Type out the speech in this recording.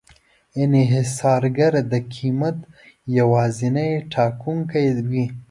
انحصارګر د قیمت یوازینی ټاکونکی وي.